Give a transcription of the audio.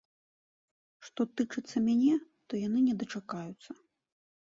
Што тычыцца мяне, то яны не дачакаюцца.